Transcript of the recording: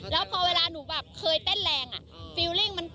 แล้วพอเวลาหนูเคยเต้นแรง